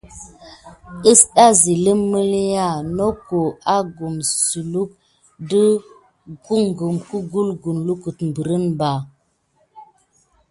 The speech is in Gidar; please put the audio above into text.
Istat gelzim miliy noko akum siluk de kumgene kuluck berinba.